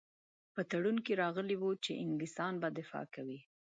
په تړون کې راغلي وو چې انګلیسیان به دفاع کوي.